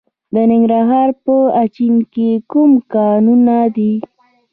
د ننګرهار په اچین کې کوم کانونه دي؟